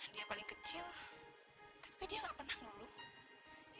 dia paling kecil tapi dia gak pernah ngeluh